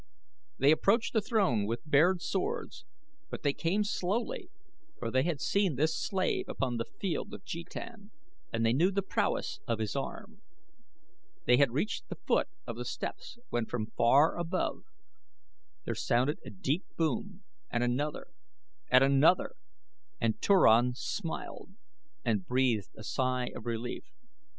They approached the throne with bared swords, but they came slowly for they had seen this slave upon the Field of Jetan and they knew the prowess of his arm. They had reached the foot of the steps when from far above there sounded a deep boom, and another, and another, and Turan smiled and breathed a sigh of relief.